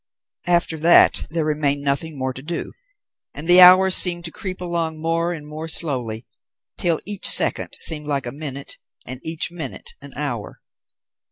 After that there remained nothing more to do, and the hours seemed to creep along more and more slowly, till each second seemed like a minute and each minute an hour.